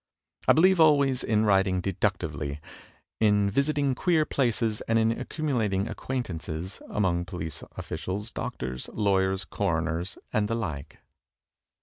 I believe al ways in writing deductively, in visiting queer places, and in accumulating acquaintances among police officials, doctors, lawyers, coroners, and the like."